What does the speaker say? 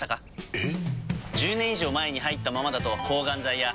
えっ